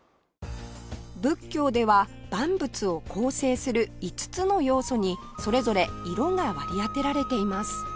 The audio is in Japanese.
仏教では万物を構成する５つの要素にそれぞれ色が割り当てられています